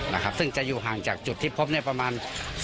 นะครับซึ่งจะอยู่ห่างจากจุดที่พบประมาณ๒๐๐เมตร